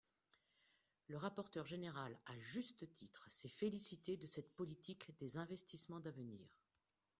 Le rapporteur général, à juste titre, s’est félicité de cette politique des investissements d’avenir.